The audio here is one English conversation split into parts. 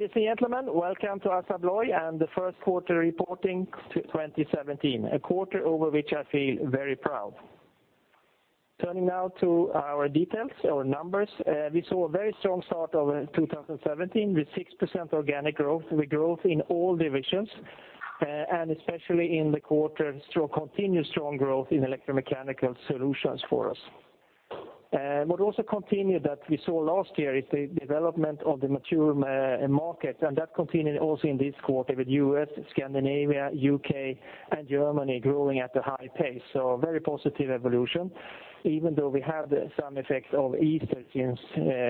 Ladies and gentlemen, welcome to Assa Abloy and the first quarter reporting 2017, a quarter over which I feel very proud. Turning now to our details, our numbers. We saw a very strong start of 2017 with 6% organic growth, with growth in all divisions, and especially in the quarter, continued strong growth in Electromechanical solutions for us. What also continued that we saw last year is the development of the mature market, and that continued also in this quarter with U.S., Scandinavia, U.K., and Germany growing at a high pace. A very positive evolution, even though we had some effects of Easter since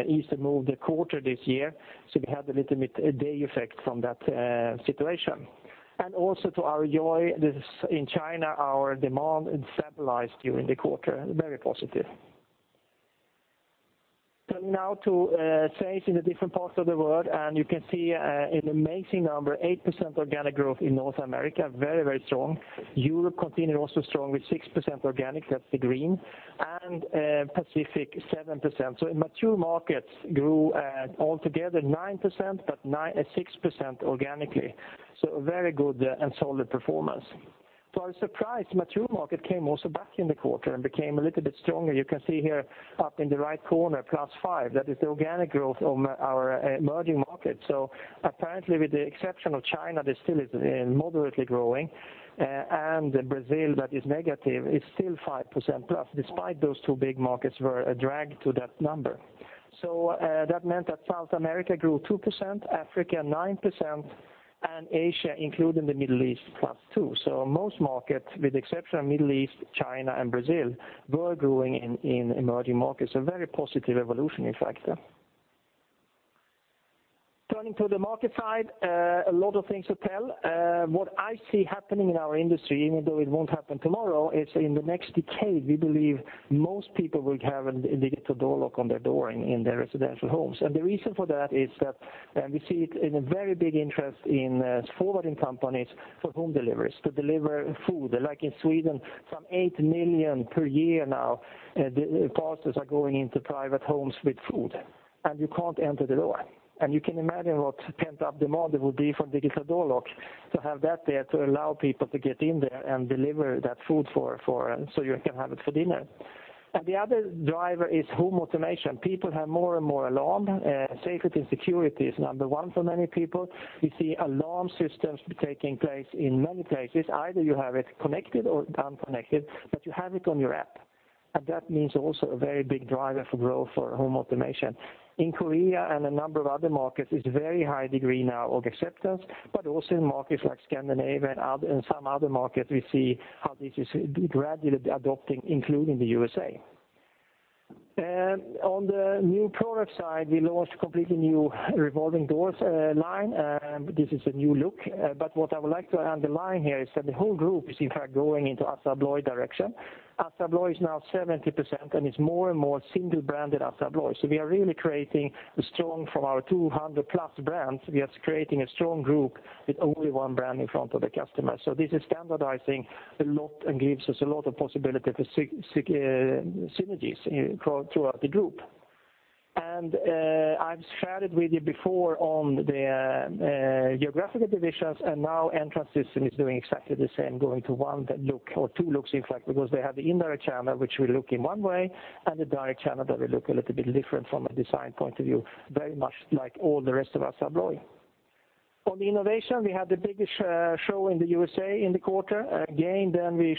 Easter moved a quarter this year, so we had a little bit day effect from that situation. Also to our joy in China, our demand stabilized during the quarter. Very positive. Turning now to sales in the different parts of the world, you can see an amazing number, 8% organic growth in North America. Very, very strong. Europe continued also strong with 6% organic. That's the green. Pacific, 7%. Mature markets grew altogether 9%, but 6% organically. A very good and solid performance. To our surprise, mature market came also back in the quarter and became a little bit stronger. You can see here up in the right corner, +5%. That is the organic growth of our emerging markets. Apparently, with the exception of China, that still is moderately growing, and Brazil that is negative, it's still 5% plus, despite those two big markets were a drag to that number. That meant that South America grew 2%, Africa 9%, and Asia, including the Middle East, +2%. Most markets, with exception of Middle East, China, and Brazil, were growing in emerging markets. A very positive evolution, in fact. Turning to the market side, a lot of things to tell. What I see happening in our industry, even though it won't happen tomorrow, is in the next decade, we believe most people will have a digital door lock on their door in their residential homes. The reason for that is that we see a very big interest in forwarding companies for home deliveries, to deliver food. Like in Sweden, some 8 million per year now, parcels are going into private homes with food. You can't enter the door. You can imagine what pent-up demand it would be for digital door lock to have that there to allow people to get in there and deliver that food so you can have it for dinner. The other driver is home automation. People have more and more alarm. Safety and security is number one for many people. We see alarm systems taking place in many places. Either you have it connected or unconnected, but you have it on your app. That means also a very big driver for growth for home automation. In Korea and a number of other markets, it's a very high degree now of acceptance, but also in markets like Scandinavia and some other markets, we see how this is gradually adopting, including the USA. On the new product side, we launched a completely new revolving doors line. This is a new look. What I would like to underline here is that the whole group is, in fact, going into Assa Abloy direction. Assa Abloy is now 70% and is more and more single branded Assa Abloy. From our 200-plus brands, we are creating a strong group with only one brand in front of the customer. This is standardizing a lot and gives us a lot of possibility for synergies throughout the group. I've shared with you before on the geographical divisions, and now Entrance Systems is doing exactly the same, going to one look or two looks, in fact, because they have the indirect channel, which will look in one way, and the direct channel that will look a little bit different from a design point of view, very much like all the rest of Assa Abloy. On the innovation, we had the biggest show in the U.S.A. in the quarter. Again, there we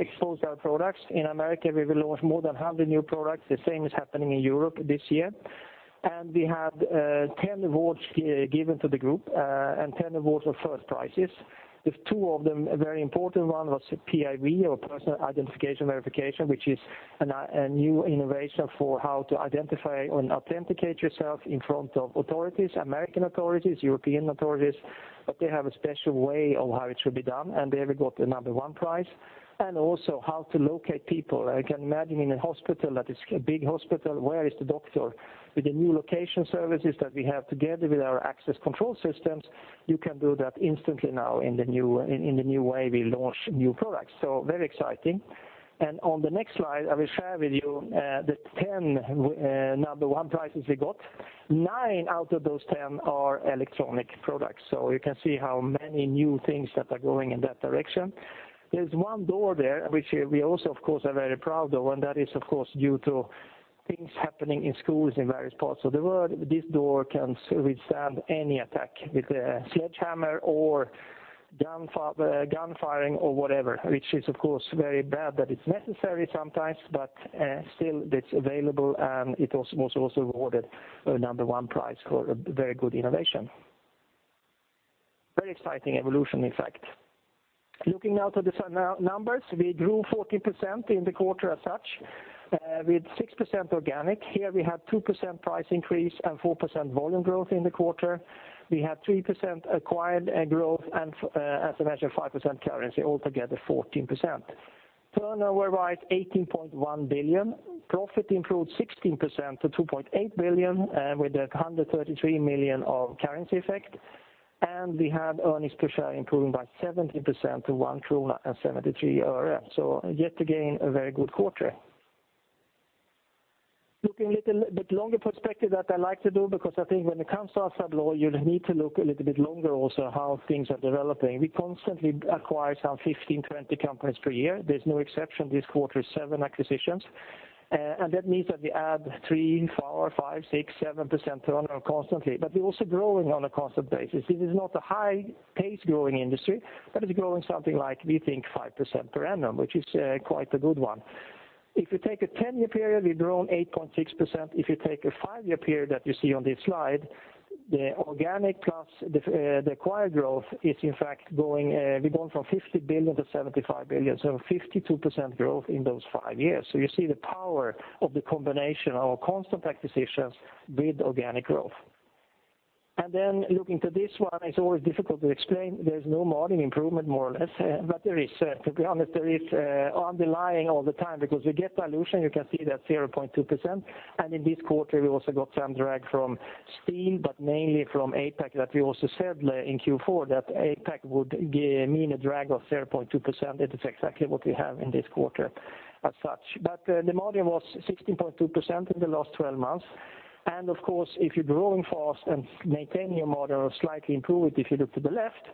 exposed our products. In America, we will launch more than 100 new products. The same is happening in Europe this year. We had 10 awards given to the group, and 10 awards were first prizes. With two of them, a very important one was PIV or Personal Identity Verification, which is a new innovation for how to identify and authenticate yourself in front of authorities, American authorities, European authorities. They have a special way of how it should be done, and there we got the number 1 prize, and also how to locate people. You can imagine in a hospital that is a big hospital, where is the doctor? With the new location services that we have together with our access control systems, you can do that instantly now in the new way we launch new products. Very exciting. On the next slide, I will share with you the 10 number 1 prizes we got. Nine out of those 10 are electronic products, you can see how many new things that are going in that direction. There's one door there, which we also, of course, are very proud of, and that is, of course, due to things happening in schools in various parts of the world. This door can withstand any attack with a sledgehammer or gun firing or whatever, which is, of course, very bad that it's necessary sometimes, but still, it's available, and it was also awarded a number 1 prize for a very good innovation. Very exciting evolution, in fact. Looking now to the numbers, we grew 14% in the quarter as such, with 6% organic. Here we had 2% price increase and 4% volume growth in the quarter. We had 3% acquired growth, and as I mentioned, 5% currency, altogether 14%. Turnover was 18.1 billion. Profit improved 16% to 2.8 billion, with 133 million of currency effect. We have earnings per share improving by 17% to 1.73 krona, yet again, a very good quarter. Looking a little bit longer perspective that I like to do, because I think when it comes to Assa Abloy, you need to look a little bit longer also how things are developing. We constantly acquire some 15, 20 companies per year. There's no exception. This quarter is seven acquisitions, and that means that we add 3%, 4%, 5%, 6%, 7% turnover constantly. We're also growing on a constant basis. This is not a high pace growing industry, but it's growing something like we think 5% per annum, which is quite a good one. If you take a 10-year period, we've grown 8.6%. If you take a five-year period that you see on this slide, the organic plus the acquired growth is in fact growing. We've gone from 50 billion to 75 billion, so 52% growth in those five years. You see the power of the combination of constant acquisitions with organic growth. Looking to this one, it's always difficult to explain. There's no margin improvement, more or less. To be honest, there is underlying all the time because we get dilution. You can see that 0.2%. In this quarter, we also got some drag from steel, but mainly from APAC that we also said in Q4, that APAC would mean a drag of 0.2%. It is exactly what we have in this quarter as such. The margin was 16.2% in the last 12 months. Of course, if you're growing fast and maintaining your model or slightly improve it, if you look to the left,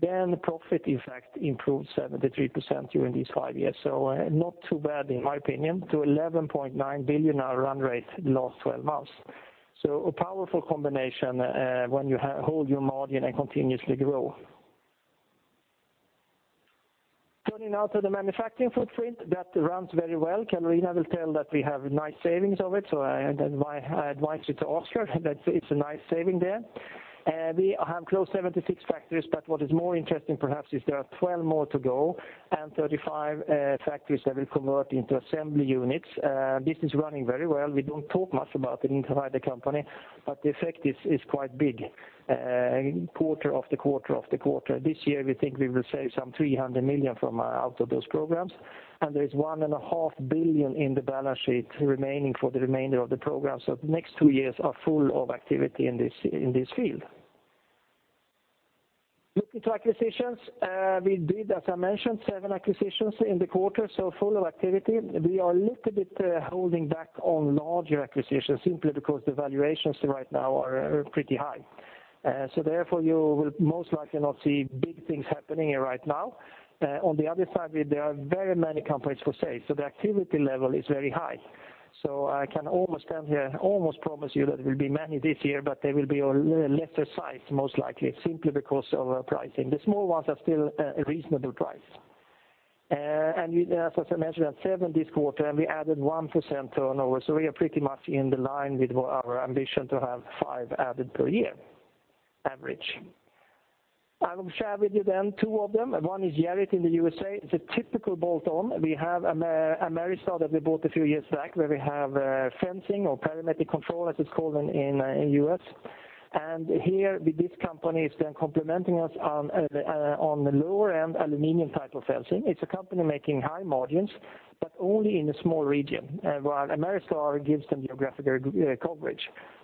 then profit, in fact, improved 73% during these five years. Not too bad, in my opinion, to 11.9 billion, our run rate last 12 months. A powerful combination when you hold your margin and continuously grow. Turning now to the Manufacturing Footprint that runs very well. Carolina will tell that we have nice savings of it. I advise you to ask her that it's a nice saving there. We have close to 76 factories, but what is more interesting perhaps is there are 12 more to go and 35 factories that will convert into assembly units. This is running very well. We don't talk much about it inside the company, but the effect is quite big. Quarter after quarter after quarter. This year, we think we will save some 300 million out of those programs, and there is 1.5 billion in the balance sheet remaining for the remainder of the program. The next 2 years are full of activity in this field. Looking to acquisitions, we did, as I mentioned, 7 acquisitions in the quarter, full of activity. We are a little bit holding back on larger acquisitions simply because the valuations right now are pretty high. Therefore you will most likely not see big things happening right now. On the other side, there are very many companies for sale, the activity level is very high. I can almost stand here and almost promise you that there will be many this year, but they will be of a lesser size, most likely simply because of pricing. The small ones are still a reasonable price. As I mentioned, 7 this quarter and we added 1% turnover. We are pretty much in the line with our ambition to have 5 added per year average. I will share with you then 2 of them. One is Jerith in the U.S.A. It's a typical bolt-on. We have Ameristar that we bought a few years back where we have fencing or perimeter control as it's called in U.S. Here with this company is then complementing us on the lower-end aluminum type of fencing. It's a company making high margins but only in a small region, while Ameristar gives them geographic coverage.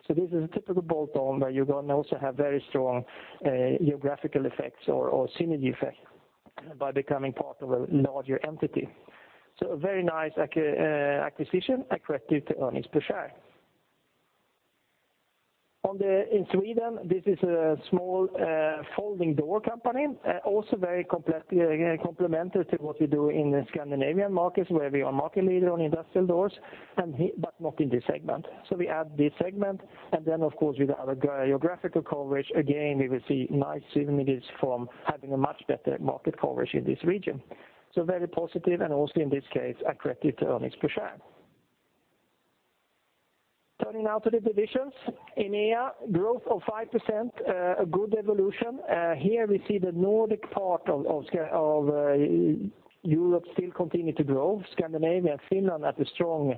This is a typical bolt-on where you're going to also have very strong geographical effects or synergy effects by becoming part of a larger entity. A very nice acquisition, accretive to earnings per share. In Sweden, this is a small folding door company, also very complementary to what we do in the Scandinavian markets where we are market leader on industrial doors, but not in this segment. So we add this segment and then, of course, with our geographical coverage, again, we will see nice synergies from having a much better market coverage in this region. So very positive and also in this case, accretive to earnings per share. Turning now to the divisions. EMEA, growth of 5%, a good evolution. Here we see the Nordic part of Europe still continue to grow. Scandinavia, Finland had a strong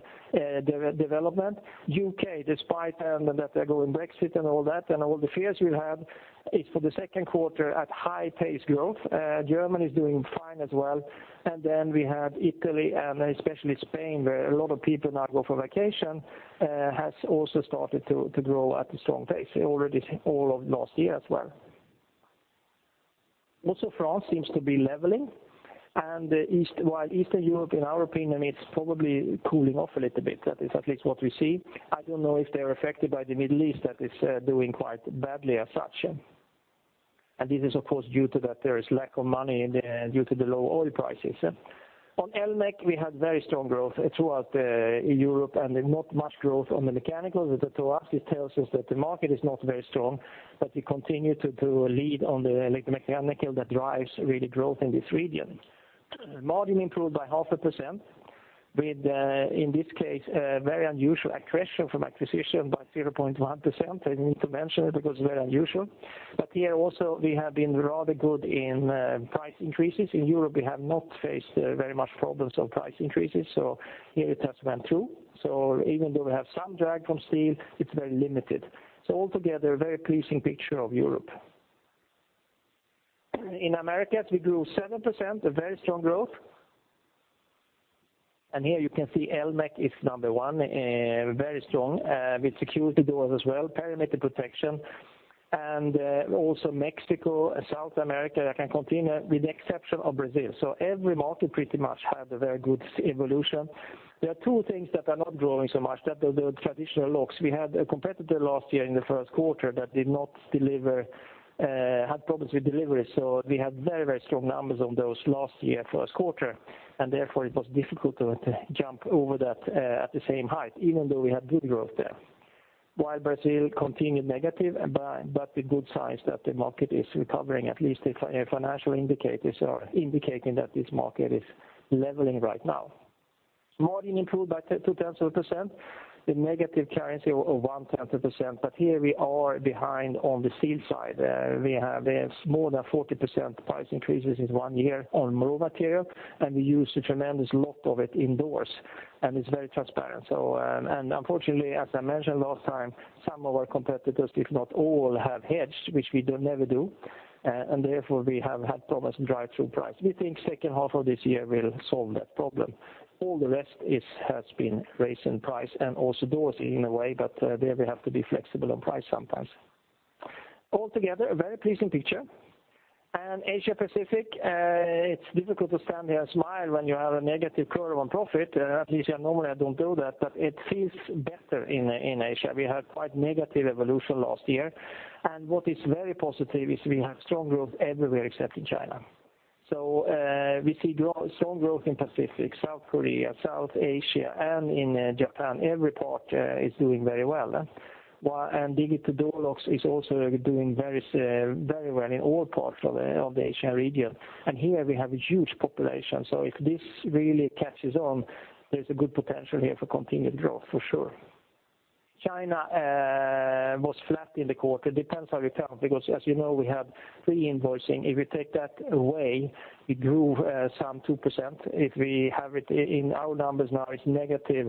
development. U.K., despite them that they're going Brexit and all that, and all the fears you have, is for the second quarter at high pace growth. Germany is doing fine as well. Then we have Italy and especially Spain, where a lot of people now go for vacation, has also started to grow at a strong pace already all of last year as well. France seems to be leveling, and while Eastern Europe, in our opinion, it's probably cooling off a little bit. That is at least what we see. I don't know if they are affected by the Middle East that is doing quite badly as such. This is of course due to that there is lack of money due to the low oil prices. Elmech, we had very strong growth throughout Europe and not much growth on the mechanical. That to us, it tells us that the market is not very strong, but we continue to lead on the Electromechanical that drives really growth in this region. Margin improved by half a percent with, in this case, a very unusual accretion from acquisition by 0.1%. I need to mention it because it's very unusual. Here also we have been rather good in price increases. In Europe, we have not faced very much problems of price increases. Here it has went through. Even though we have some drag from steel, it's very limited. Altogether, a very pleasing picture of Europe. In Americas, we grew 7%, a very strong growth. Here you can see Elmech is number one, very strong with security doors as well, perimeter protection. Also Mexico and South America can continue with the exception of Brazil. Every market pretty much had a very good evolution. There are two things that are not growing so much, that the traditional locks, we had a competitor last year in the first quarter that had problems with delivery. We had very strong numbers on those last year, first quarter, and therefore it was difficult to jump over that at the same height, even though we had good growth there. Brazil continued negative, but with good signs that the market is recovering, at least the financial indicators are indicating that this market is leveling right now. Margin improved by two-tenths of a percent, the negative currency of one-tenth of a percent. Here we are behind on the steel side. We have more than 40% price increases in one year on raw material, and we use a tremendous lot of it in doors, and it's very transparent. Unfortunately, as I mentioned last time, some of our competitors, if not all, have hedged, which we don't ever do, and therefore we have had problems drive through price. We think second half of this year will solve that problem. All the rest has been raised in price and also doors in a way, but there we have to be flexible on price sometimes. Altogether, a very pleasing picture. Asia Pacific, it's difficult to stand here and smile when you have a negative curve on profit. At least I normally don't do that, but it feels better in Asia. We had quite negative evolution last year. What is very positive is we have strong growth everywhere except in China. We see strong growth in Pacific, South Korea, South Asia, and in Japan. Every part is doing very well. Digital door locks is also doing very well in all parts of the Asian region. Here we have a huge population, so if this really catches on, there's a good potential here for continued growth for sure. China was flat in the quarter. Depends how you count, because as you know, we had pre-invoicing. If we take that away, we grew some 2%. If we have it in our numbers now, it's negative,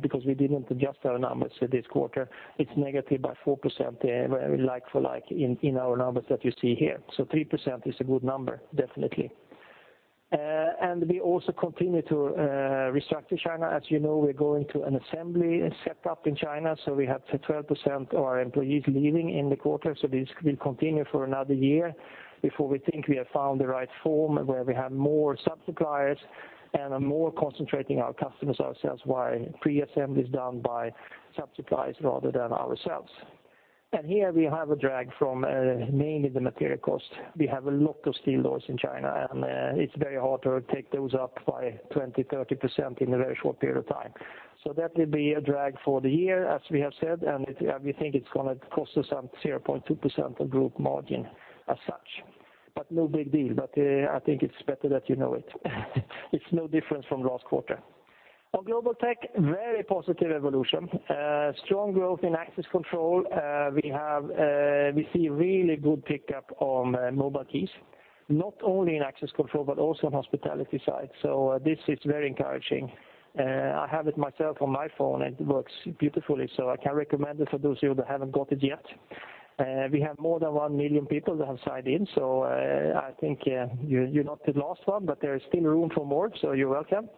because we didn't adjust our numbers for this quarter. It's negative by 4% there where like-for-like in our numbers that you see here. 3% is a good number, definitely. We also continue to restructure China. As you know, we're going to an assembly setup in China, so we have 12% of our employees leaving in the quarter. This will continue for another year before we think we have found the right form where we have more suppliers and are more concentrating our customers ourselves, while pre-assembly is done by suppliers rather than ourselves. Here we have a drag from mainly the material cost. We have a lot of steel doors in China, and it's very hard to take those up by 20%-30% in a very short period of time. That will be a drag for the year, as we have said. We think it's going to cost us some 0.2% of group margin as such. No big deal, but I think it's better that you know it. It's no different from last quarter. On Global Tech, very positive evolution. Strong growth in access control. We see really good pickup on mobile keys, not only in access control, but also on hospitality side. This is very encouraging. I have it myself on my phone. It works beautifully, so I can recommend it for those of you that haven't got it yet. We have more than 1 million people that have signed in, so I think you're not the last one, but there is still room for more, so you're welcome.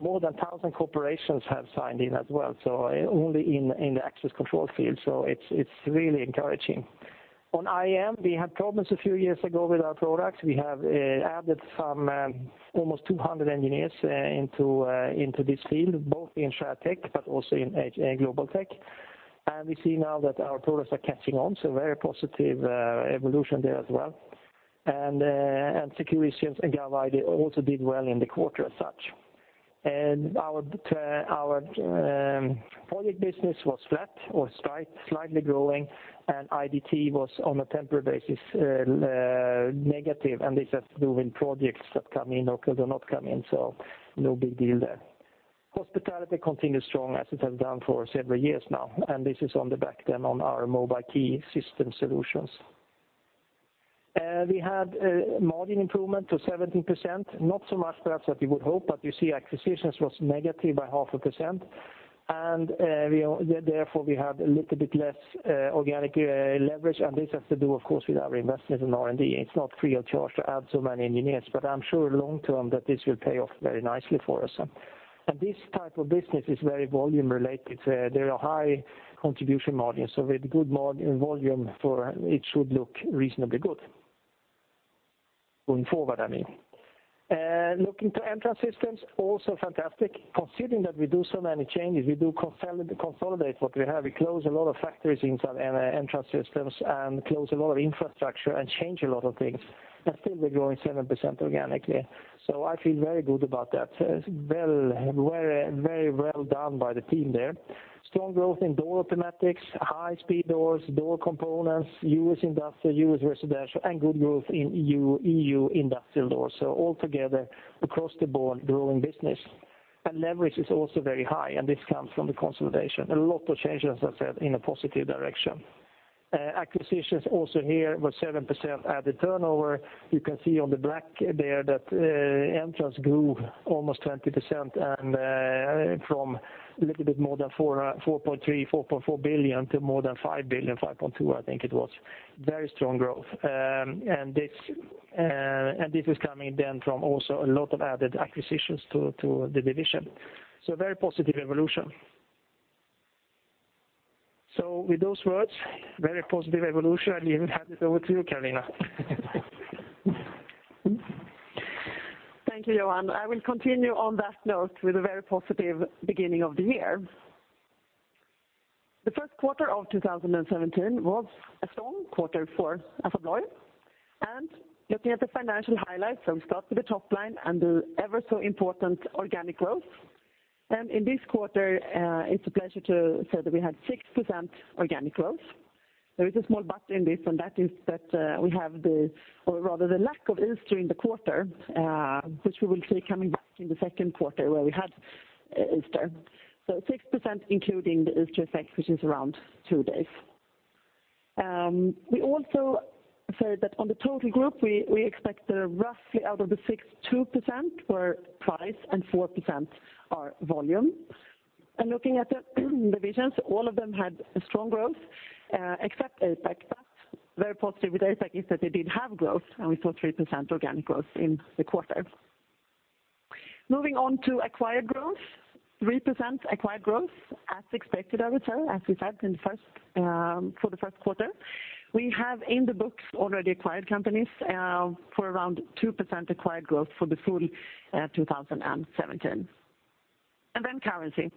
More than 1,000 corporations have signed in as well, only in the access control field. It's really encouraging. On IM, we had problems a few years ago with our products. We have added some almost 200 engineers into this field, both in ShareTech but also in Global Tech. We see now that our products are catching on, so very positive evolution there as well. Security Systems and Galvano also did well in the quarter as such. Our project business was flat or slightly growing, IDT was on a temporary basis negative, and this has to do with projects that come in or could or not come in, so no big deal there. Hospitality continued strong as it has done for several years now, and this is on the back then on our mobile key system solutions. We had a margin improvement to 17%, not so much perhaps that we would hope, but you see acquisitions was negative by half a percent, and therefore we had a little bit less organic leverage, and this has to do, of course, with our investment in R&D. It's not free of charge to add so many engineers. I'm sure long term that this will pay off very nicely for us. This type of business is very volume related. There are high contribution margins. With good margin volume for it should look reasonably good going forward, I mean. Looking to Entrance Systems, also fantastic. Considering that we do so many changes, we do consolidate what we have. We close a lot of factories inside Entrance Systems and close a lot of infrastructure and change a lot of things, and still we're growing 7% organically. I feel very good about that. Very well done by the team there. Strong growth in door automatics, high-speed doors, door components, U.S. industrial, U.S. residential, and good growth in EU industrial doors. Altogether across the board, growing business. Leverage is also very high, and this comes from the consolidation. A lot of changes, as I said, in a positive direction. Acquisitions also here were 7% at the turnover. You can see on the black there that Entrance grew almost 20% and from a little bit more than 4.3 billion-4.4 billion to more than 5 billion, 5.2 billion, I think it was. Very strong growth. This was coming then from also a lot of added acquisitions to the division. A very positive evolution. With those words, very positive evolution, I will hand it over to you, Carolina. Thank you, Johan. I will continue on that note with a very positive beginning of the year. The first quarter of 2017 was a strong quarter for Assa Abloy. Looking at the financial highlights, we start with the top line and the ever-so-important organic growth. In this quarter, it's a pleasure to say that we had 6% organic growth. There is a small but in this, and that is that we have the or rather the lack of Easter in the quarter, which we will see coming back in the second quarter where we had Easter. 6% including the Easter effect, which is around two days. We also said that on the total group, we expect that roughly out of the six, 2% were price and 4% are volume. Looking at the divisions, all of them had strong growth except APAC. Very positive with APAC is that they did have growth, and we saw 3% organic growth in the quarter. Moving on to acquired growth, 3% acquired growth as expected, I would say, as we said for the first quarter. We have in the books already acquired companies for around 2% acquired growth for the full 2017. Currency.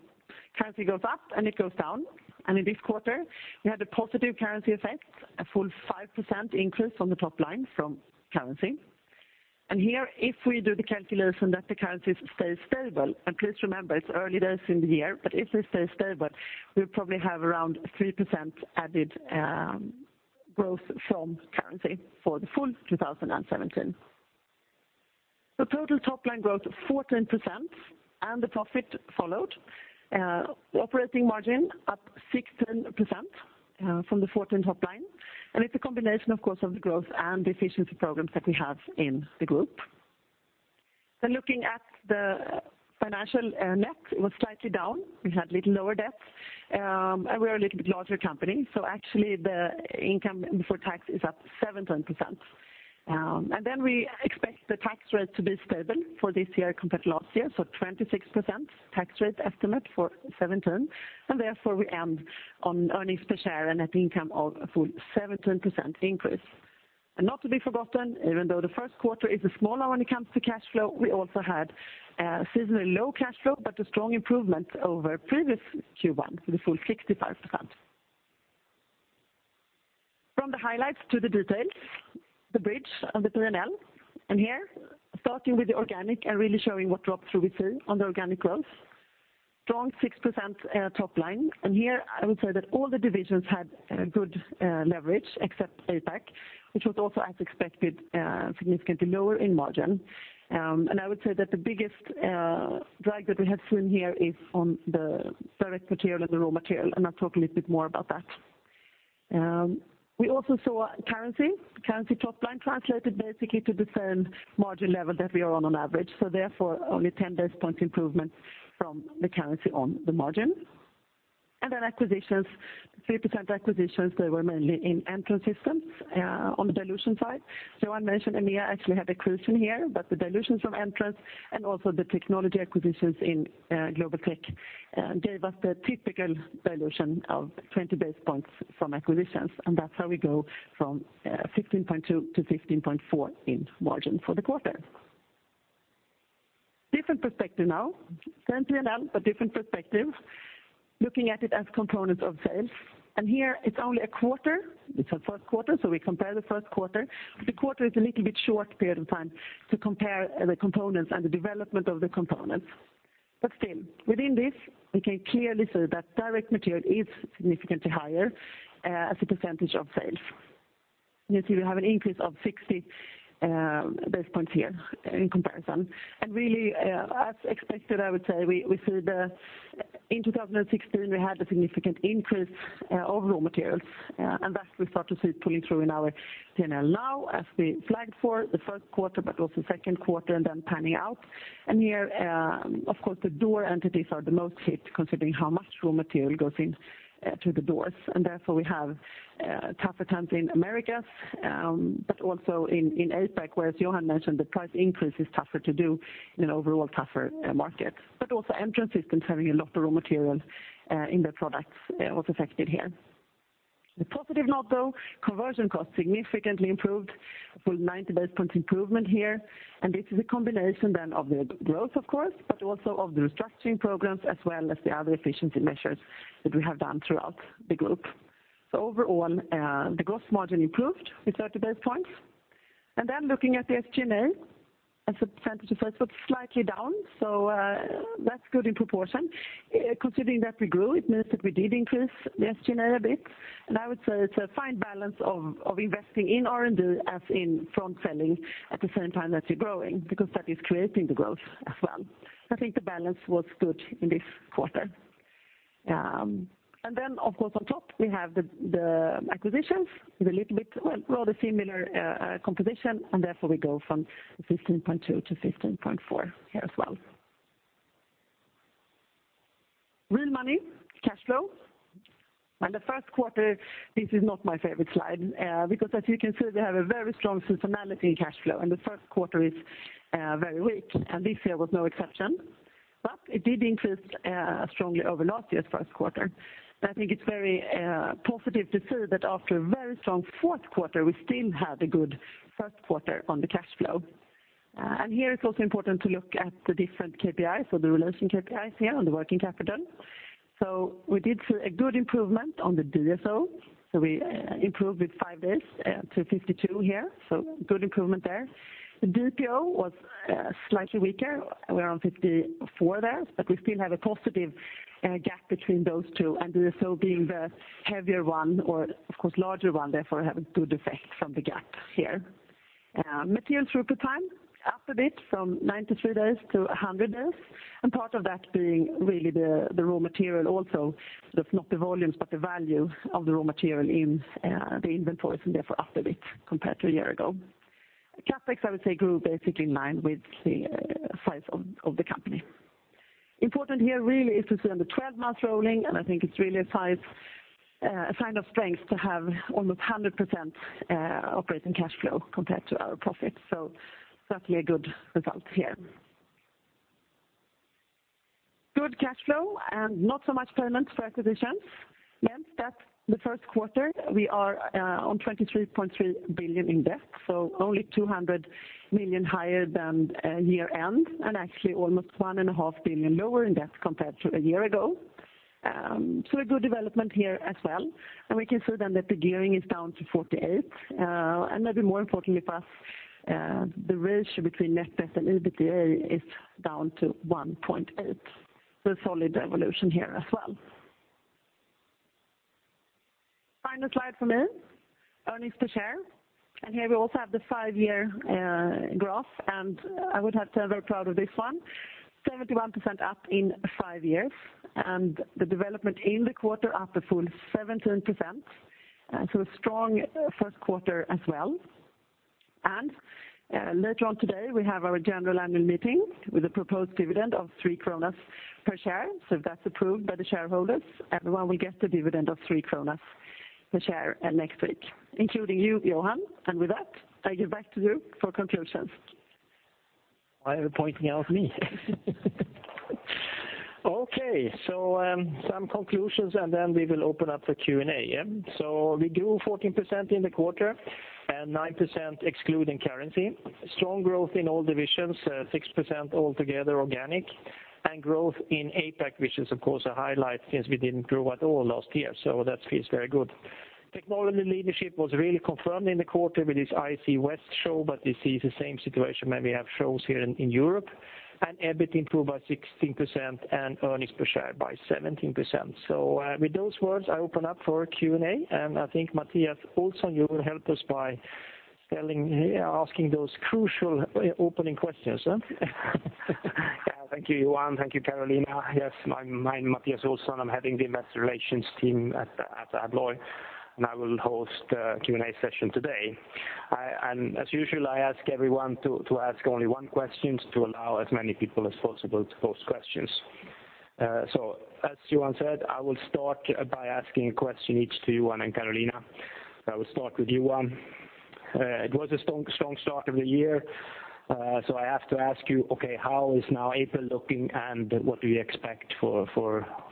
Currency goes up, it goes down, in this quarter, we had a positive currency effect, a full 5% increase on the top line from currency. Here, if we do the calculation that the currencies stay stable, please remember, it's early days in the year, if they stay stable, we'll probably have around 3% added growth from currency for the full 2017. The total top-line growth of 14% and the profit followed. Operating margin up 16% from the 14 top line. It's a combination, of course, of the growth and the efficiency programs that we have in the group. Looking at the financial net, it was slightly down. We had a little lower debt, we are a little bit larger company, actually the income before tax is up 17%. We expect the tax rate to be stable for this year compared to last year, 26% tax rate estimate for 2017, therefore we end on earnings per share and net income of a full 17% increase. Not to be forgotten, even though the first quarter is smaller when it comes to cash flow, we also had a seasonally low cash flow, a strong improvement over the previous Q1, the full 65%. From the highlights to the details, the bridge of the P&L, here, starting with the organic and really showing what drop-through we see on the organic growth. Strong 6% top line, here I would say that all the divisions had good leverage except APAC, which was also, as expected, significantly lower in margin. I would say that the biggest drag that we have seen here is on the direct material and the raw material, I'll talk a little bit more about that. We also saw currency. Currency top line translated basically to the same margin level that we are on average. Therefore, only 10 basis point improvement from the currency on the margin. Acquisitions, 3% acquisitions, they were mainly in Entrance Systems, on the dilution side. Johan mentioned EMEA actually had acquisition here, the dilutions from Entrance and also the technology acquisitions in Global Tech gave us the typical dilution of 20 basis points from acquisitions, that's how we go from 15.2 to 15.4 in margin for the quarter. Different perspective now. Same P&L, different perspective, looking at it as components of sales. It's only a quarter. It's a first quarter, we compare the first quarter. The quarter is a little bit short period of time to compare the components and the development of the components. Still, within this, we can clearly see that direct material is significantly higher as a percentage of sales. You see we have an increase of 60 basis points here in comparison. Really as expected, I would say, in 2016, we had a significant increase of raw materials, and that we start to see pulling through in our P&L now as we flagged for the first quarter but also the second quarter and then panning out. Here, of course, the door entities are the most hit considering how much raw material goes into the doors, and therefore we have tougher times in Americas, but also in APAC, where, as Johan mentioned, the price increase is tougher to do in an overall tougher market. Also Entrance Systems having a lot of raw material in their products was affected here. The positive note, though, conversion costs significantly improved, a full 90 basis point improvement here. This is a combination then of the growth, of course, but also of the restructuring programs as well as the other efficiency measures that we have done throughout the group. Overall, the gross margin improved 30 basis points. Looking at the SG&A, as a percentage of sales, was slightly down, so that's good in proportion. Considering that we grew, it means that we did increase the SG&A a bit, and I would say it's a fine balance of investing in R&D as in front-selling at the same time that you're growing because that is creating the growth as well. I think the balance was good in this quarter. Of course, on top, we have the acquisitions with a little bit, well, rather similar composition. Therefore we go from 15.2 to 15.4 here as well. Real money, cash flow. The first quarter, this is not my favorite slide because as you can see we have a very strong seasonality in cash flow. The first quarter is very weak. This year was no exception. It did increase strongly over last year's first quarter. I think it's very positive to see that after a very strong fourth quarter, we still had a good first quarter on the cash flow. Here it's also important to look at the different KPIs, so the relation KPIs here on the working capital. We did see a good improvement on the DSO. We improved with five days to 52 here, so good improvement there. The DPO was slightly weaker. We're on 54 there. We still have a positive gap between those two. DSO being the heavier one or of course larger one, therefore have a good effect from the gap here. Material throughput time, up a bit from 93 days to 100 days. Part of that being really the raw material also, not the volumes but the value of the raw material in the inventories and therefore up a bit compared to a year ago. CapEx, I would say grew basically in line with the size of the company. Important here really is to see on the 12 months rolling. I think it's really a sign of strength to have almost 100% operating cash flow compared to our profits. Certainly a good result here. Good cash flow and not so much payments for acquisitions. That's the first quarter. We are on 23.3 billion in debt, only 200 million higher than year-end and actually almost 1.5 billion lower in debt compared to a year ago. A good development here as well. We can see that the gearing is down to 48%. Maybe more importantly for us, the ratio between net debt and EBITDA is down to 1.8x. A solid evolution here as well. Final slide from me, earnings per share. Here we also have the five-year graph, and I would have to say very proud of this one, 71% up in five years, and the development in the quarter up a full 17%. A strong first quarter as well. Later on today we have our general annual meeting with a proposed dividend of 3 kronor per share. If that's approved by the shareholders, everyone will get the dividend of 3 kronor per share next week, including you, Johan. With that, I give back to you for conclusions. Why are you pointing out me? Okay, some conclusions and we will open up for Q&A. We grew 14% in the quarter and 9% excluding currency. Strong growth in all divisions, 6% altogether organic. Growth in APAC, which is of course a highlight since we didn't grow at all last year, that feels very good. Technology leadership was really confirmed in the quarter with this ISC West show, but this is the same situation when we have shows here in Europe. EBIT improved by 16% and earnings per share by 17%. With those words, I open up for Q&A. I think Mattias Olsson, you will help us by asking those crucial opening questions. Thank you, Johan. Thank you, Carolina. Yes, I'm Mattias Olsson. I'm heading the investor relations team at Assa Abloy, I will host the Q&A session today. As usual, I ask everyone to ask only one question to allow as many people as possible to pose questions. As Johan said, I will start by asking a question each to Johan and Carolina. I will start with Johan. It was a strong start of the year, I have to ask you, okay, how is now April looking and what do you expect for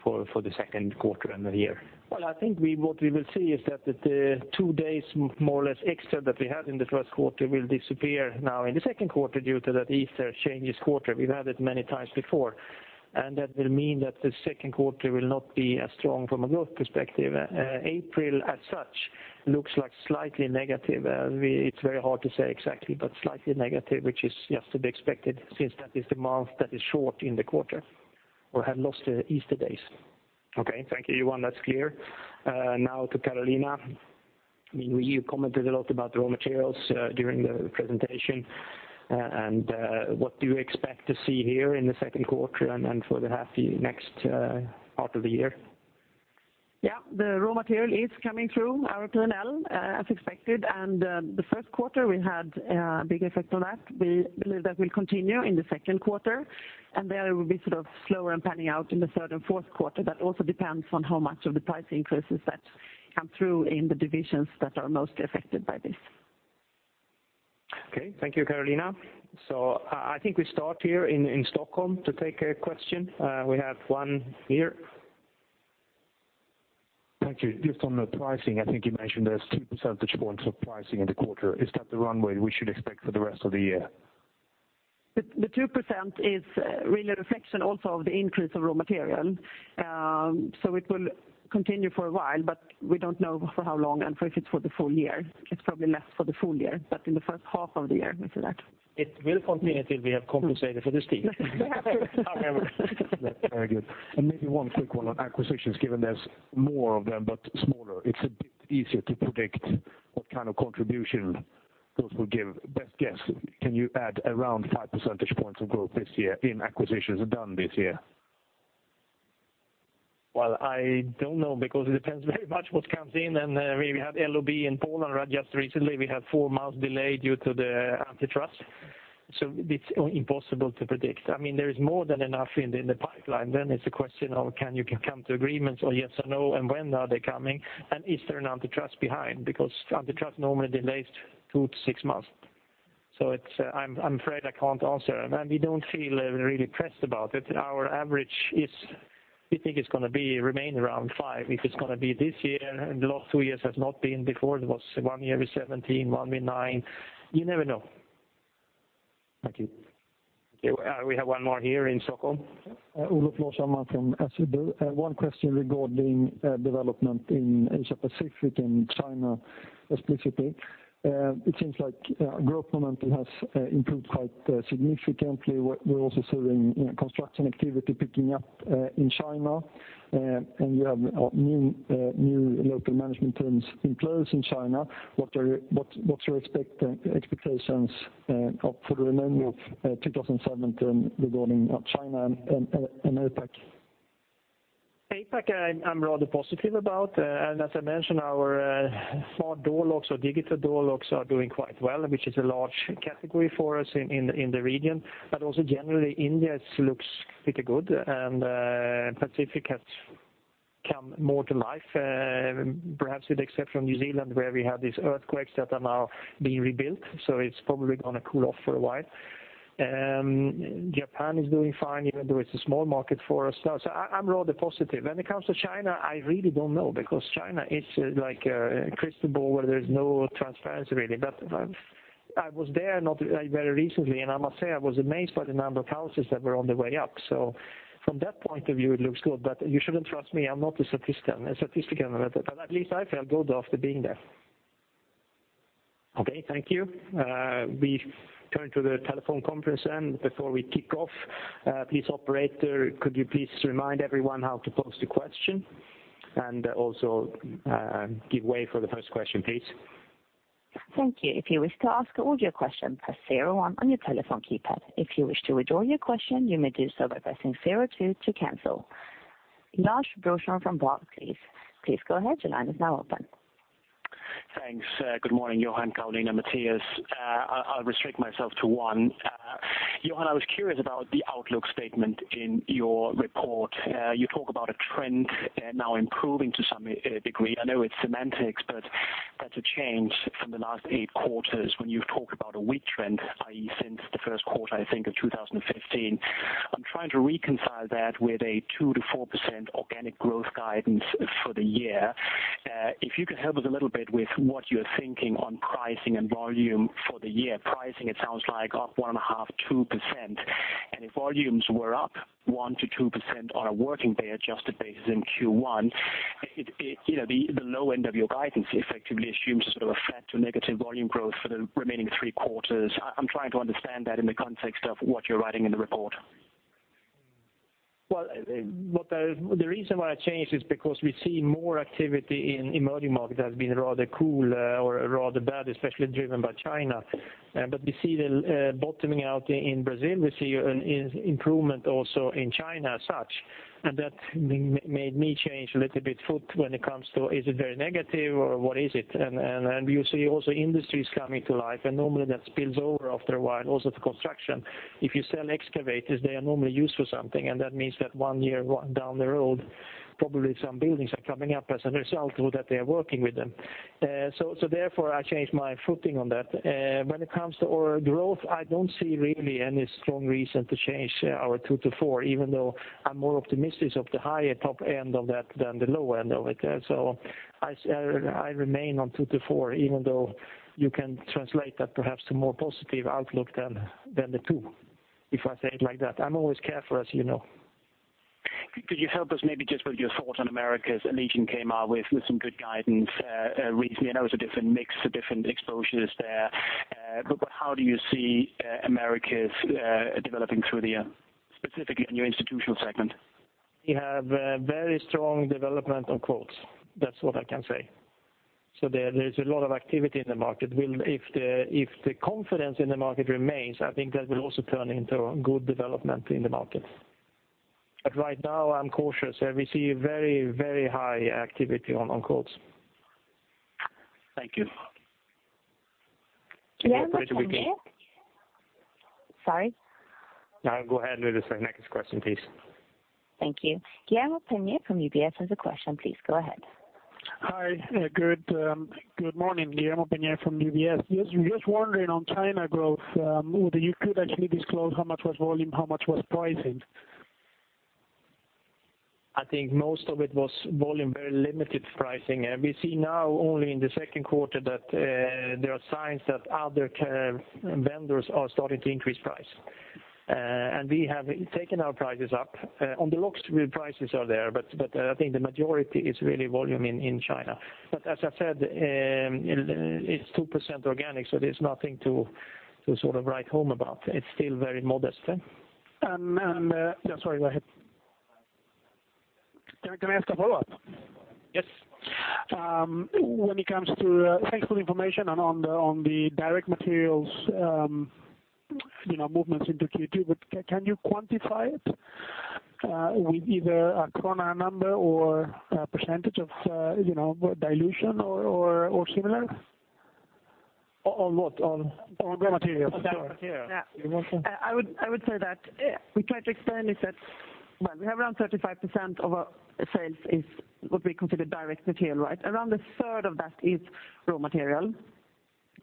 the second quarter and the year? Well, I think what we will see is that the two days more or less extra that we had in the first quarter will disappear now in the second quarter due to that Easter changes quarter. We've had it many times before. That will mean that the second quarter will not be as strong from a growth perspective. April as such looks like slightly negative. It's very hard to say exactly, but slightly negative, which is just to be expected since that is the month that is short in the quarter or have lost the Easter days. Okay. Thank you, Johan. That's clear. Now to Carolina. What do you expect to see here in the second quarter and for the next part of the year? Yeah, the raw material is coming through our P&L as expected. The first quarter we had a big effect on that. We believe that will continue in the second quarter. There it will be sort of slower and panning out in the third and fourth quarter. That also depends on how much of the price increases that come through in the divisions that are most affected by this. Okay, thank you, Carolina. I think we start here in Stockholm to take a question. We have one here. Thank you. Just on the pricing, I think you mentioned there's two percentage points of pricing in the quarter. Is that the runway we should expect for the rest of the year? The 2% is really a reflection also of the increase of raw material. It will continue for a while, but we don't know for how long and if it's for the full year. It's probably less for the full year, but in the first half of the year, we see that. It will continue until we have compensated for this deal. Very good. Maybe one quick one on acquisitions, given there's more of them but smaller, it's a bit easier to predict what kind of contribution those will give. Best guess, can you add around five percentage points of growth this year in acquisitions done this year? Well, I don't know because it depends very much what comes in and we have LOB in Poland just recently. We have 4 months delay due to the antitrust. It's impossible to predict. There is more than enough in the pipeline. It's a question of can you come to agreements or yes or no, and when are they coming? Is there an antitrust behind? Antitrust normally delays 2 to 6 months. I'm afraid I can't answer, and we don't feel really pressed about it. Our average, we think it's going to remain around 5. If it's going to be this year, the last 2 years has not been. Before it was 1 year with 17, 1 with 9. You never know. Thank you. Okay, we have one more here in Stockholm. Olof Larshammar from SEB. One question regarding development in Asia-Pacific, in China explicitly. It seems like growth momentum has improved quite significantly. We're also seeing construction activity picking up in China, and you have new local management teams in place in China. What's your expectations for the remainder of 2017 regarding China and APAC? APAC, I'm rather positive about, and as I mentioned, our smart door locks or digital door locks are doing quite well, which is a large category for us in the region. Also generally India looks pretty good, and Pacific has come more to life. Perhaps with the exception of New Zealand where we had these earthquakes that are now being rebuilt, so it's probably going to cool off for a while. Japan is doing fine even though it's a small market for us. I'm rather positive. When it comes to China, I really don't know because China is like a crystal ball where there's no transparency really. I was there very recently, and I must say I was amazed by the number of houses that were on the way up. From that point of view it looks good, but you shouldn't trust me. I'm not a statistician. At least I felt good after being there. Okay, thank you. We turn to the telephone conference then before we kick off. Please operator, could you please remind everyone how to pose the question, and also give way for the first question please. Thank you. If you wish to ask an audio question, press zero on your telephone keypad. If you wish to withdraw your question, you may do so by pressing zero two to cancel. Lars Brorson from Barclays, please. Please go ahead, your line is now open. Thanks. Good morning Johan, Carolina, Mattias. I'll restrict myself to one. Johan, I was curious about the outlook statement in your report. You talk about a trend now improving to some degree. I know it's semantics, but that's a change from the last 8 quarters when you've talked about a weak trend, i.e., since Q1 I think of 2015. I'm trying to reconcile that with a 2%-4% organic growth guidance for the year. If you could help us a little bit with what you're thinking on pricing and volume for the year. Pricing it sounds like up 1.5%, 2%, and if volumes were up 1%-2% on a working day adjusted basis in Q1, the low end of your guidance effectively assumes sort of a flat to negative volume growth for the remaining 3 quarters. I'm trying to understand that in the context of what you're writing in the report. The reason why I changed is because we see more activity in emerging markets has been rather cool or rather bad especially driven by China. We see the bottoming out in Brazil. We see an improvement also in China as such, and that made me change a little bit foot when it comes to, is it very negative or what is it? You see also industries coming to life, and normally that spills over after a while, also to construction. If you sell excavators they are normally used for something, and that means that 1 year down the road probably some buildings are coming up as a result that they are working with them. Therefore I changed my footing on that. When it comes to our growth, I don't see really any strong reason to change our 2%-4%, even though I'm more optimistic of the higher top end of that than the low end of it. I remain on 2%-4%, even though you can translate that perhaps to more positive outlook than the 2%, if I say it like that. I'm always careful as you know. Could you help us maybe just with your thoughts on Americas? Allegion came out with some good guidance recently. I know it's a different mix of different exposures there. How do you see Americas developing through the year, specifically on your institutional segment? We have very strong development on quotes. That's what I can say. There's a lot of activity in the market. If the confidence in the market remains, I think that will also turn into good development in the market. Right now I'm cautious. We see very high activity on quotes. Thank you. Guillermo Peñate. Sorry? Go ahead with the second, next question please. Thank you. Guillermo Peñate from UBS has a question. Please go ahead. Hi. Good morning. Guillermo Peñate from UBS. Just wondering on China growth, whether you could actually disclose how much was volume, how much was pricing? I think most of it was volume, very limited pricing. We see now only in the second quarter that there are signs that other vendors are starting to increase price. We have taken our prices up. On the locks the prices are there, but I think the majority is really volume in China. As I said, it's 2% organic so there's nothing to sort of write home about. It's still very modest. sorry go ahead. Can I ask a follow-up? Yes. Thanks for the information on the direct materials movements into Q2, can you quantify it? With either a SEK number or a % of dilution or similar? On what? On raw material. On raw material. I would say that we try to explain is that we have around 35% of our sales is what we consider direct material. Around a third of that is raw material,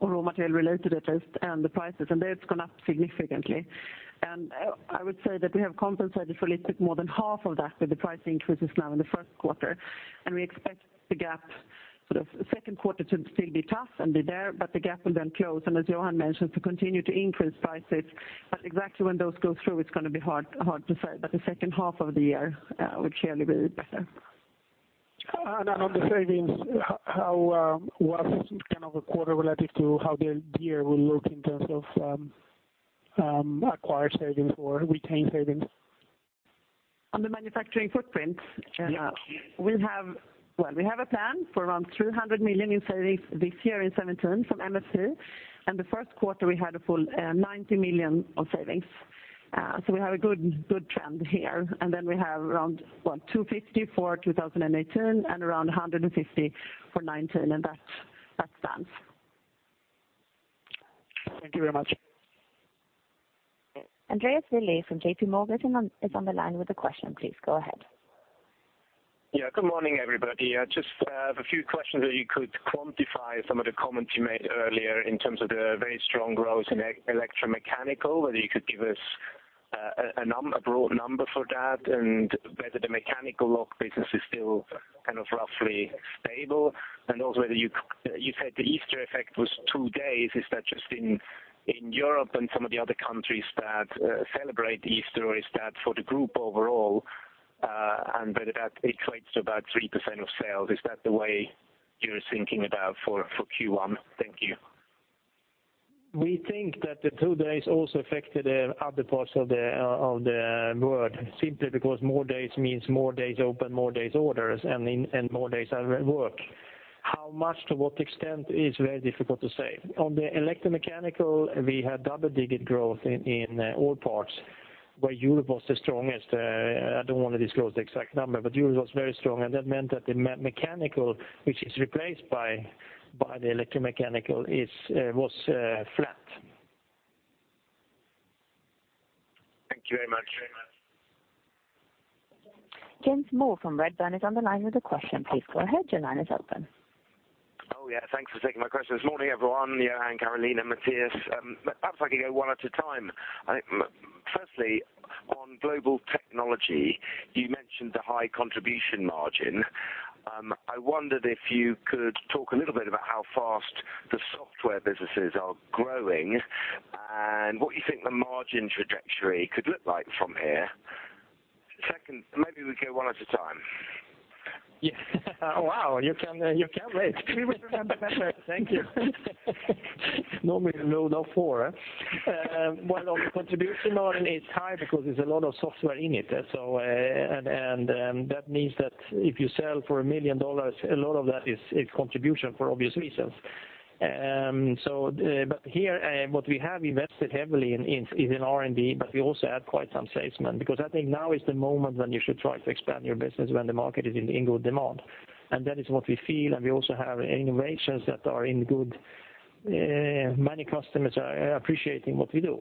or raw material related at least, and the prices, and that's gone up significantly. I would say that we have compensated for a little bit more than half of that with the price increases now in the first quarter, we expect the gap sort of second quarter to still be tough and be there, but the gap will then close, and as Johan mentioned, to continue to increase prices. Exactly when those go through, it's going to be hard to say, but the second half of the year will clearly be better. On the savings, how was this kind of a quarter relative to how the year will look in terms of acquired savings or retained savings? On the manufacturing footprint? Yeah. We have a plan for around 200 million in savings this year in 2017 from MF2, the first quarter, we had a full 90 million of savings. We have a good trend here. We have around 250 for 2018 and around 150 for 2019, and that stands. Thank you very much. Andreas Willi from J.P. Morgan is on the line with a question, please go ahead. Good morning, everybody. I just have a few questions that you could quantify some of the comments you made earlier in terms of the very strong growth in Electromechanical, whether you could give us a broad number for that, and whether the mechanical lock business is still kind of roughly stable. You said the Easter effect was 2 days, is that just in Europe and some of the other countries that celebrate Easter, or is that for the group overall? Whether that equates to about 3% of sales, is that the way you're thinking about for Q1? Thank you. We think that the 2 days also affected the other parts of the world, simply because more days means more days open, more days orders, and more days at work. How much, to what extent, is very difficult to say. On the Electromechanical, we had double-digit growth in all parts where Europe was the strongest. I don't want to disclose the exact number, but Europe was very strong, and that meant that the mechanical, which is replaced by the Electromechanical, was flat. Thank you very much. James Moore from Redburn is on the line with a question. Please go ahead. Your line is open. Oh yeah, thanks for taking my question. Morning, everyone, Johan, Carolina, Mattias. Perhaps I could go one at a time. Firstly, on Global Technologies, you mentioned the high contribution margin. I wondered if you could talk a little bit about how fast the software businesses are growing and what you think the margin trajectory could look like from here. Second, maybe we go one at a time. Wow, you can wait. We will remember that later, thank you. Normally we load all four. Well, on the contribution margin, it's high because there's a lot of software in it. That means that if you sell for $1 million, a lot of that is contribution for obvious reasons. Here, what we have invested heavily in, is in RD, but we also add quite some salesmen, because I think now is the moment when you should try to expand your business when the market is in good demand. That is what we feel, and we also have innovations that many customers are appreciating what we do.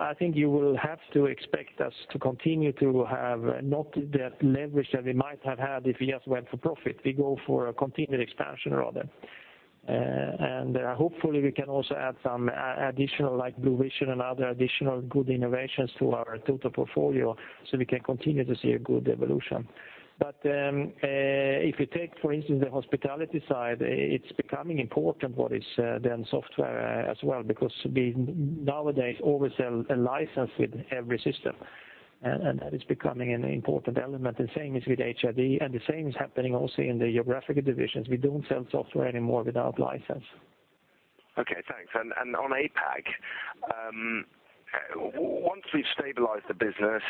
I think you will have to expect us to continue to have not that leverage that we might have had if we just went for profit. We go for a continued expansion rather. Hopefully we can also add some additional Bluvision and other additional good innovations to our total portfolio so we can continue to see a good evolution. If you take, for instance, the hospitality side, it is becoming important what is then software as well, because we nowadays always sell a license with every system, and that is becoming an important element. The same is with HID, and the same is happening also in the geographic divisions. We don't sell software anymore without license. Okay, thanks. On APAC, once we've stabilized the business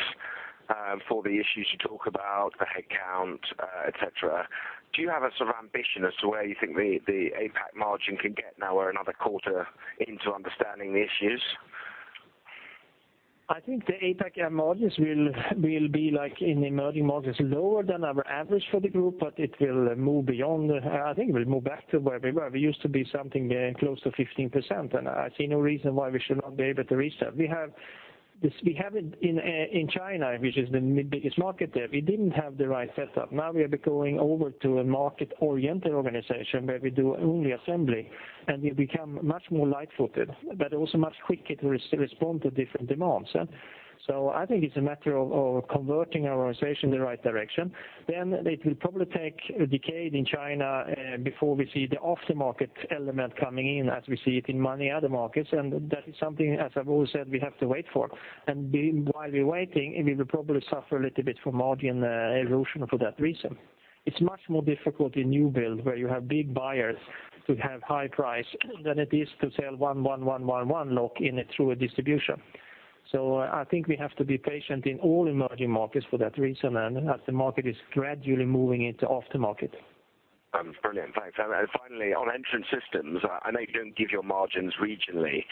for the issues you talk about, the headcount, et cetera, do you have a sort of ambition as to where you think the APAC margin could get now we're another quarter into understanding the issues? I think the APAC margins will be like in emerging markets, lower than our average for the group, but it will move beyond. I think it will move back to where we were. We used to be something close to 15%, and I see no reason why we should not be able to reach that. We have it in China, which is the biggest market there. We didn't have the right setup. Now we are going over to a market-oriented organization where we do only assembly, and we become much more light-footed, but also much quicker to respond to different demands. I think it's a matter of converting our organization in the right direction. It will probably take a decade in China before we see the aftermarket element coming in as we see it in many other markets, that is something, as I've always said, we have to wait for. While we're waiting, we will probably suffer a little bit from margin erosion for that reason. It's much more difficult in new build where you have big buyers who have high price than it is to sell one lock in through a distribution. I think we have to be patient in all emerging markets for that reason, as the market is gradually moving into aftermarket. Brilliant, thanks. Finally, on Entrance Systems, I know you don't give your margins regionally,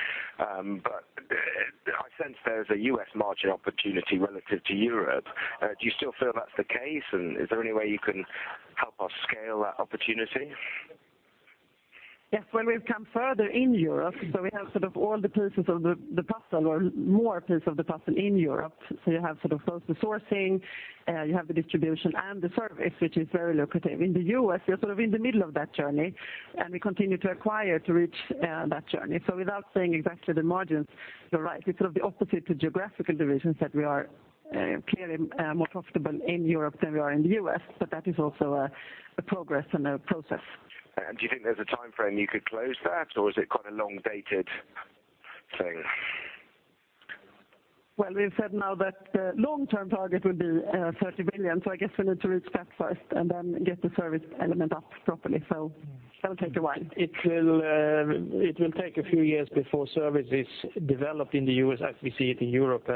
but I sense there's a U.S. margin opportunity relative to Europe. Do you still feel that's the case? Is there any way you can help us scale that opportunity? Well, we've come further in Europe, we have sort of all the pieces of the puzzle or more piece of the puzzle in Europe. You have sort of both the sourcing, you have the distribution, and the service, which is very lucrative. In the U.S., we are sort of in the middle of that journey, we continue to acquire to reach that journey. Without saying exactly the margins, you're right, it's sort of the opposite to geographical divisions that we are clearly more profitable in Europe than we are in the U.S., that is also a progress and a process. Do you think there's a timeframe you could close that, or is it quite a long-dated thing? Well, we've said now that the long-term target will be 30 billion, I guess we need to reach that first and then get the service element up properly. That'll take a while. It will take a few years before service is developed in the U.S. as we see it in Europe.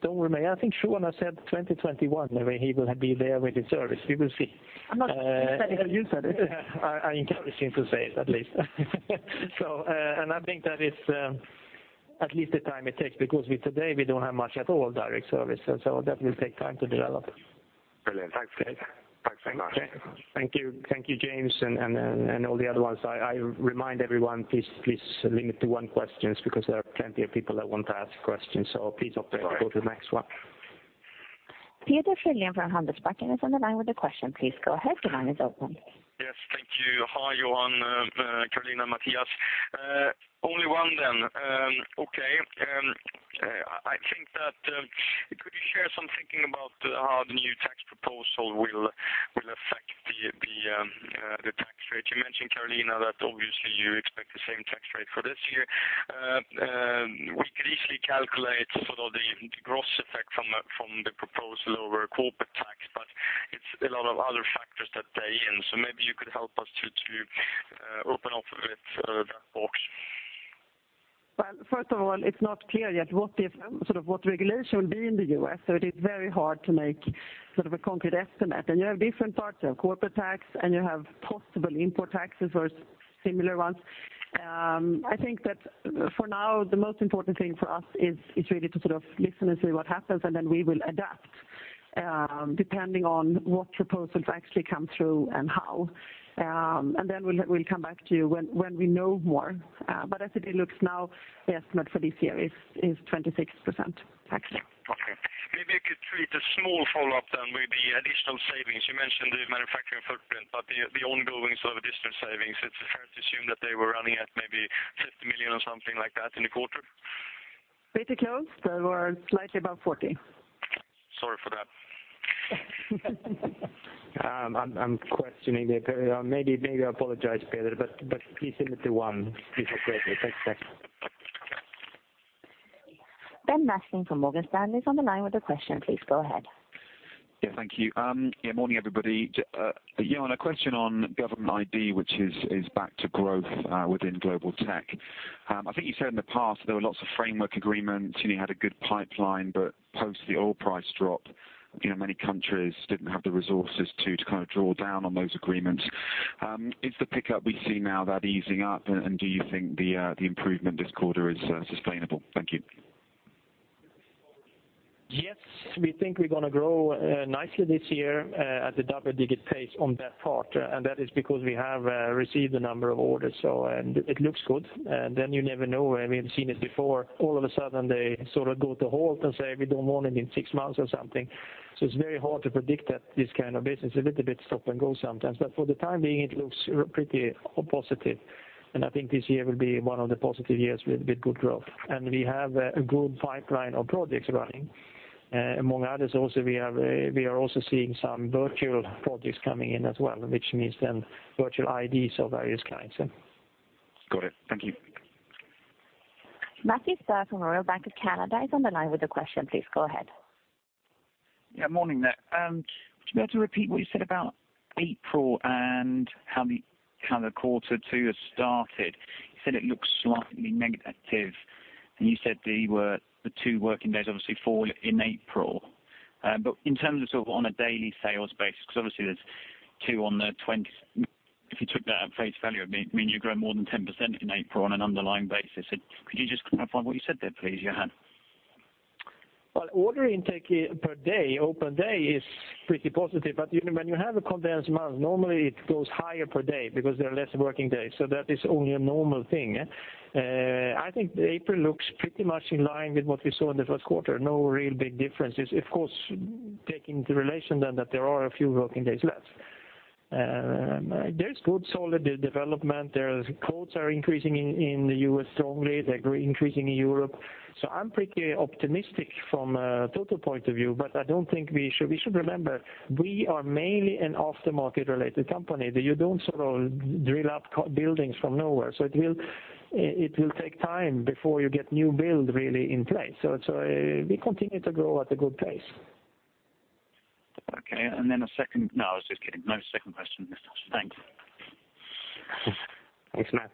Don't worry, I think [Shuana] said 2021, maybe he will be there with the service. We will see. I'm not saying that. You said it. I encourage him to say it, at least. I think that is at least the time it takes because today we don't have much at all direct service, that will take time to develop. Brilliant. Thanks. Okay. Thanks very much. Thank you, James, and all the other ones. I remind everyone, please limit to one question because there are plenty of people that want to ask questions. Sorry operate to go to the next one. Peder Frölén from Handelsbanken is on the line with a question. Please go ahead. The line is open. Yes. Thank you. Hi, Johan, Carolina, Mattias. Only one then. Okay. Could you share some thinking about how the new tax proposal will affect the tax rate? You mentioned, Carolina, that obviously you expect the same tax rate for this year. We could easily calculate sort of the gross effect from the proposal over corporate tax, it's a lot of other factors that play in, so maybe you could help us to open up that box. Well, first of all, it's not clear yet what the sort of regulation will be in the U.S., it is very hard to make sort of a concrete estimate. You have different parts, you have corporate tax, and you have possible import taxes or similar ones. For now the most important thing for us is really to sort of listen and see what happens, then we will adapt, depending on what proposals actually come through and how. Then we'll come back to you when we know more. As it looks now, the estimate for this year is 26% tax. Okay. Maybe I could treat a small follow-up then with the additional savings. You mentioned the Manufacturing Footprint, the ongoing sort of additional savings, it's fair to assume that they were running at maybe 50 million or something like that in the quarter? Pretty close. They were slightly above 40 million. Sorry for that. I'm questioning the period. Maybe I apologize, Peder, but please limit to one before question. Thanks. Ben Maslen from Morgan Stanley is on the line with a question. Please go ahead. Yeah. Thank you. Morning, everybody. Johan, a question on Government ID, which is back to growth within global tech. I think you said in the past there were lots of framework agreements, you had a good pipeline, but post the oil price drop, many countries didn't have the resources to draw down on those agreements. Is the pickup we see now that easing up, and do you think the improvement this quarter is sustainable? Thank you. Yes, we think we're going to grow nicely this year at the double-digit pace on that part, and that is because we have received a number of orders, and it looks good. You never know, and we have seen it before, all of a sudden they sort of go to halt and say we don't want it in 6 months or something. It's very hard to predict that this kind of business, a little bit stop and go sometimes, but for the time being it looks pretty positive, and I think this year will be one of the positive years with good growth. We have a good pipeline of projects running. Among others also, we are also seeing some virtual projects coming in as well, which means then virtual IDs of various kinds. Got it. Thank you. Matthew Taylor from Royal Bank of Canada is on the line with a question. Please go ahead. Morning there. Would you be able to repeat what you said about April and how the quarter two has started? You said it looks slightly negative, and you said there were the two working days obviously fall in April. In terms of sort of on a daily sales basis, because obviously there's two on the 20th, if you took that at face value, it'd mean you grow more than 10% in April on an underlying basis. Could you just clarify what you said there please, Johan? Order intake per day, open day, is pretty positive. When you have a condensed month, normally it goes higher per day because there are less working days. That is only a normal thing. I think April looks pretty much in line with what we saw in the first quarter. No real big differences. Taking into relation that there are a few working days less. There's good solid development. The quotes are increasing in the U.S. strongly. They're increasing in Europe. I'm pretty optimistic from a total point of view. I don't think we should remember we are mainly an after-market related company. You don't sort of drill up buildings from nowhere. It will take time before you get new build really in place. We continue to grow at a good pace. No, I was just kidding. No second question. Thanks, Matt.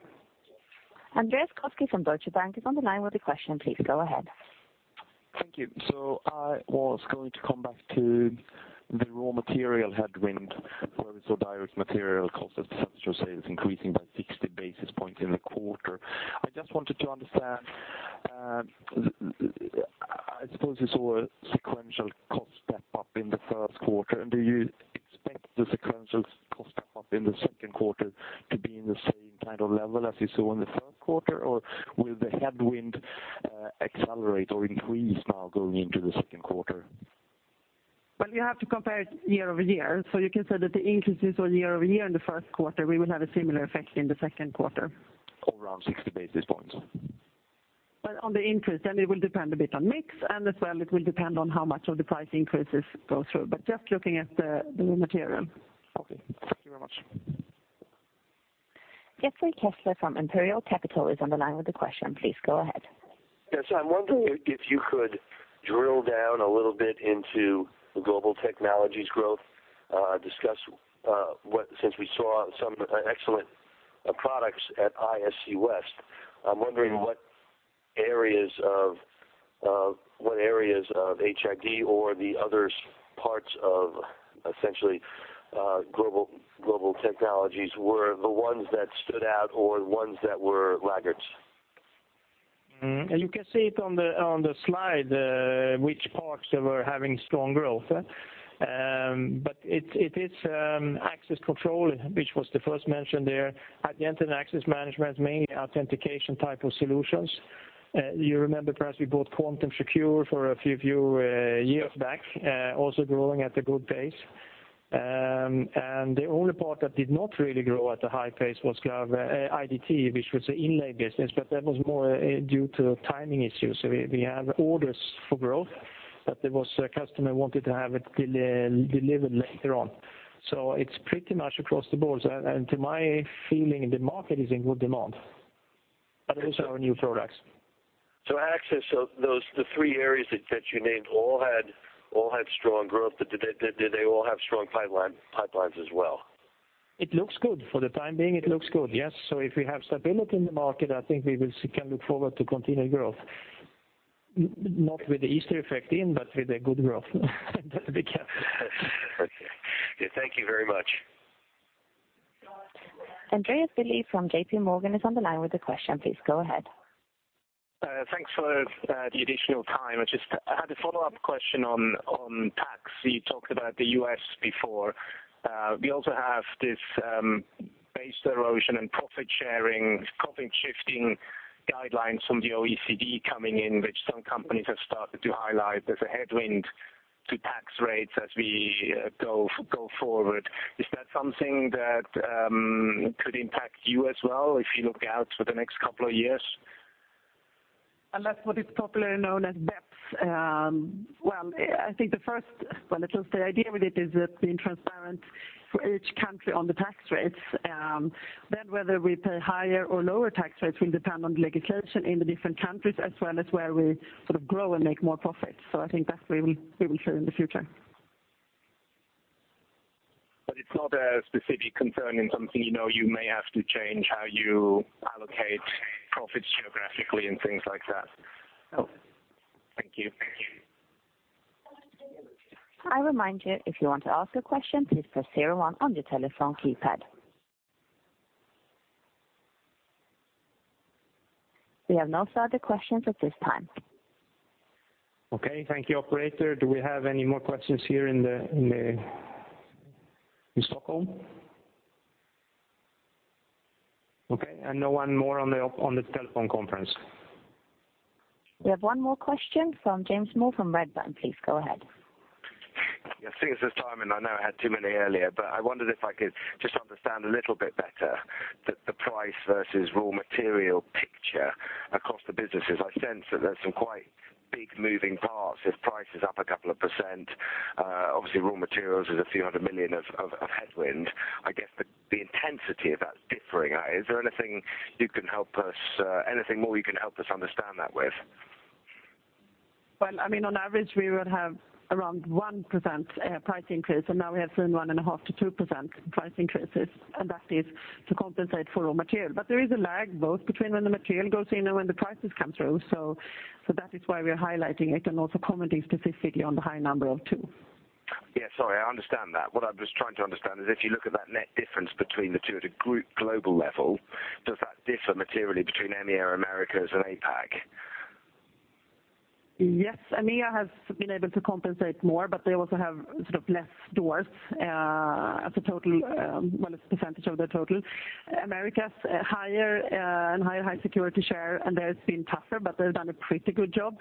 Andreas Koski from Deutsche Bank is on the line with a question. Please go ahead. Thank you. I was going to come back to the raw material headwind, where we saw direct material cost as a percentage of sales increasing by 60 basis points in the quarter. I just wanted to understand, I suppose you saw a sequential cost step-up in the first quarter. Do you expect the sequential cost step-up in the second quarter to be in the same kind of level as you saw in the first quarter? Will the headwind accelerate or increase now going into the second quarter? Well, you have to compare it year-over-year. You can say that the increases were year-over-year in the first quarter, we will have a similar effect in the second quarter. Around 60 basis points. Well, on the increase, it will depend a bit on mix, and as well, it will depend on how much of the price increases go through. Just looking at the raw material. Okay. Thank you very much. Jeffrey Kessler from Imperial Capital is on the line with a question. Please go ahead. I'm wondering if you could drill down a little bit into the Global Technologies growth, discuss what, since we saw some excellent products at ISC West, I'm wondering what areas of HID or the other parts of essentially Global Technologies were the ones that stood out or the ones that were laggards. You can see it on the slide, which parts were having strong growth. It is access control, which was the first mentioned there. Identity and access management, mainly authentication type of solutions. You remember perhaps we bought Quantum Secure for a few years back, also growing at a good pace. The only part that did not really grow at a high pace was IDT, which was the inlay business, but that was more due to timing issues. We have orders for growth, but there was a customer who wanted to have it delivered later on. It's pretty much across the board, and to my feeling, the market is in good demand, but also our new products. Access, the three areas that you named all had strong growth, but did they all have strong pipelines as well? It looks good. For the time being, it looks good, yes. If we have stability in the market, I think we can look forward to continued growth, not with the Easter effect in, but with a good growth. Okay. Thank you very much. Andreas Willi from J.P. Morgan is on the line with a question. Please go ahead. Thanks for the additional time. I just had a follow-up question on tax. You talked about the U.S. before. We also have this Base Erosion and Profit Shifting guidelines from the OECD coming in, which some companies have started to highlight as a headwind to tax rates as we go forward. Is that something that could impact you as well if you look out for the next couple of years? That's what is popularly known as BEPS. I think the first, well, at least the idea with it is that being transparent for each country on the tax rates. Whether we pay higher or lower tax rates will depend on legislation in the different countries, as well as where we sort of grow and make more profits. I think that we will see in the future. It's not a specific concern in something you know you may have to change how you allocate profits geographically and things like that? No. Thank you. I remind you, if you want to ask a question, please press zero one on your telephone keypad. We have no further questions at this time. Okay. Thank you, operator. Do we have any more questions here in Stockholm? No one more on the telephone conference. We have one more question from James Moore from Redburn. Please go ahead. Yes, seeing as there's time, I know I had too many earlier, I wondered if I could just understand a little bit better the price versus raw material picture across the businesses. I sense that there's some quite big moving parts. If price is up a couple of %, obviously raw materials is a few hundred million of headwind. I guess the intensity of that's differing. Is there anything more you can help us understand that with? On average, we would have around 1% price increase, and now we have seen 1.5%-2% price increases, and that is to compensate for raw material. There is a lag both between when the material goes in and when the prices come through, so that is why we are highlighting it and also commenting specifically on the high number of two. Yeah, sorry, I understand that. What I was trying to understand is if you look at that net difference between the two at a group global level, does that differ materially between EMEA, Americas and APAC? Yes, EMEA has been able to compensate more, but they also have sort of less stores as a percentage of the total. Americas, higher and higher high security share, and there it's been tougher, but they've done a pretty good job.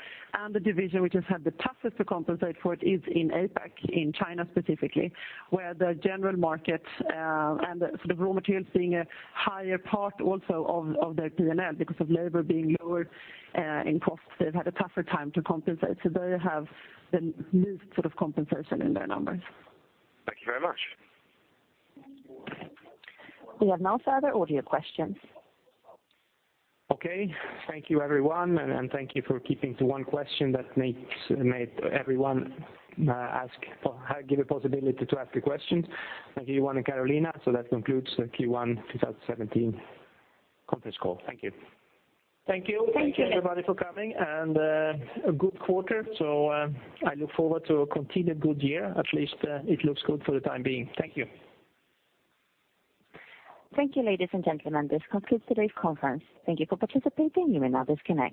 The division which has had the toughest to compensate for it is in APAC, in China specifically, where the general market, and the raw materials being a higher part also of their P&L because of labor being lower in costs, they've had a tougher time to compensate. They have the least sort of compensation in their numbers. Thank you very much. We have no further audio questions. Okay. Thank you everyone, and thank you for keeping to one question that gave a possibility to ask a question. Thank you, Johan and Carolina. That concludes the Q1 2017 conference call. Thank you. Thank you. Thank you. Thank you everybody for coming, and a good quarter, so I look forward to a continued good year. At least it looks good for the time being. Thank you. Thank you, ladies and gentlemen. This concludes today's conference. Thank you for participating. You may now disconnect.